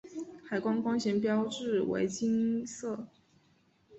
海关关衔标志为金色。